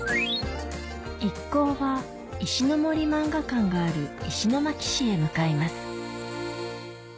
一行は石森萬画館がある石巻市へ向かいます